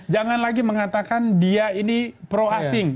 jangan lagi mengatakan dia ini pro asing